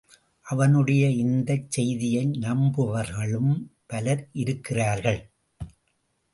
அவனுடைய இந்தச் செய்தியை நம்புபவர்களும் பலர் இருக்கிறார்கள்.